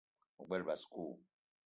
O gbele basko?